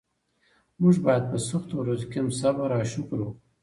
موږ باید په سختو ورځو کې هم صبر او شکر وکړو.